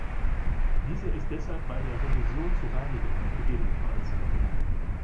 Dieser ist deshalb bei der Revision zu reinigen, ggf.